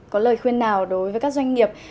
có lời khuyên nào đối với các doanh nghiệp